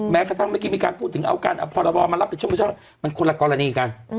แม้กระทั่งเมื่อกี้มีการพูดถึงเอากันพอเรามารับมันคนละกรณีกัน